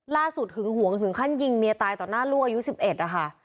ล่าสุดหึงหวงถึงขั้นยิงเมียตายต่อหน้าลูก๑๑อ่ะค่ะ